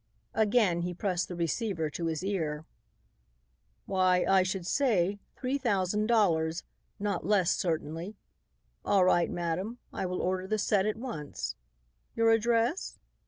Again he pressed the receiver to his ear. "Why, I should say, three thousand dollars; not less, certainly. All right, madam, I will order the set at once. Your address?